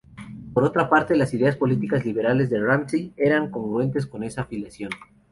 Por otra parte, las ideas políticas liberales de Ramsay eran congruentes con esa filiación.